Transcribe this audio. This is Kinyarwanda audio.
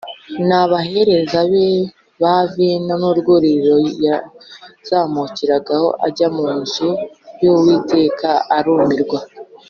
n’abahereza be ba vino n’urwuririro yazamukiragaho ajya mu nzu y’Uwiteka arumirwa